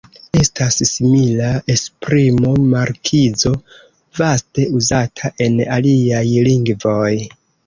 Estas simila esprimo "markizo", vaste uzata en aliaj lingvoj.